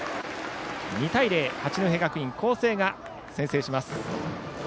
２対０、八戸学院光星が先制します。